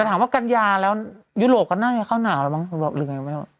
แต่ถามว่ากันยาแล้วยุโรปก็นั่งให้เข้าหนาวแล้วมั้งบอกเลยไงว่า